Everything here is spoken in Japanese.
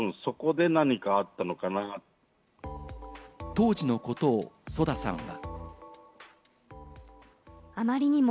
当時のことをＳＯＤＡさんは。